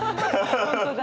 本当だ。